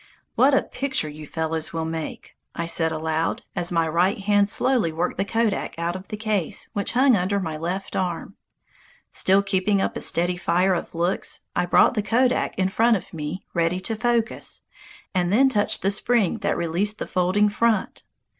"What a picture you fellows will make," I said aloud, as my right hand slowly worked the kodak out of the case which hung under my left arm. Still keeping up a steady fire of looks, I brought the kodak in front of me ready to focus, and then touched the spring that released the folding front.